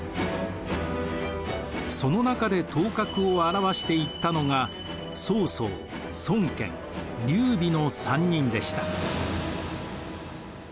その中で頭角を現していったのが曹操孫権劉備の３人でした。